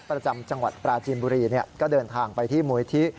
ประจำจังหวัดปราจีนบุรีก็เดินทางไปที่มูลที่